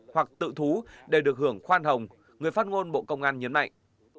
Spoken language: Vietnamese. hoặc tự thú để được hưởng khoan hồng người phát ngôn bộ công an nhấn mạnh